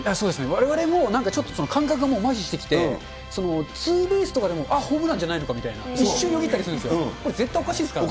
われわれもなんかちょっと感覚がまひしてきて、ツーベースとかでも、あっ、ホームランじゃないのかみたいな、一瞬よぎったりするんですよ、絶対おかしいですからね。